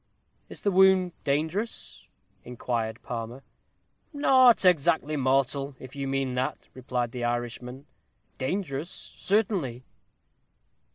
"Is the wound dangerous?" inquired Palmer. "Not exactly mortal, if you mean that," replied the Irishman; "dangerous, certainly."